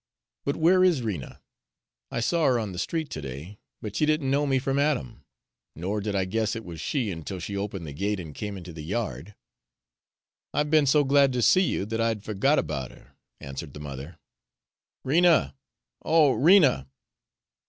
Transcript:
But where is Rena? I saw her on the street to day, but she didn't know me from Adam; nor did I guess it was she until she opened the gate and came into the yard." "I've be'n so glad to see you that I'd fergot about her," answered the mother. "Rena, oh, Rena!"